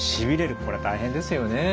これ大変ですよね。